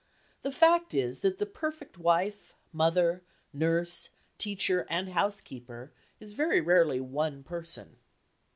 The fact is that the perfect wife, mother, nurse, teacher and housekeeper is very rarely one person.